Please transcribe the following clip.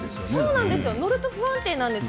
乗ると不安定なんです。